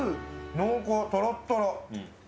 濃厚、とろとろ！